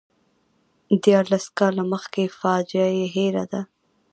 دیارلس کاله مخکې فاجعه یې هېره ده.